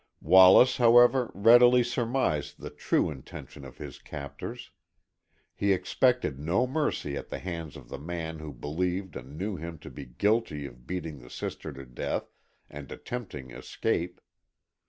Wallace, however, readily surmised the true intention of his captors. He expected no mercy at the hands of the man who believed and knew him to be guilty of beating the sister to death, and attempted escape.